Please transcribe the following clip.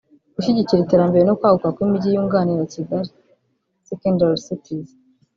Gushyigikira iterambere no kwaguka kw’imijyi yunganira Kigali (secondary cities)